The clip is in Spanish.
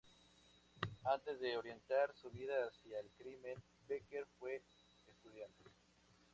Antes de orientar su vida hacia el crimen, Becker fue estudiante.